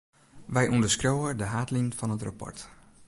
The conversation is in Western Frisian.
Wy ûnderskriuwe de haadlinen fan it rapport.